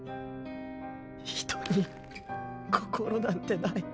⁉人に心なんてない。